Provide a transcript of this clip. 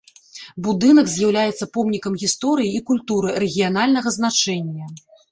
Будынак з'яўляецца помнікам гісторыі і культуры рэгіянальнага значэння.